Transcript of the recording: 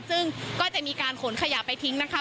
ซึ่งก็จะมีการขนขยะไปทิ้งนะคะ